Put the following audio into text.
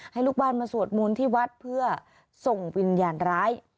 ลูกบ้านมาสวดมนต์ที่วัดเพื่อส่งวิญญาณร้าย